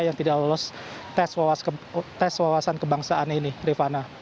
yang tidak lolos tes wawasan kebangsaan ini rifana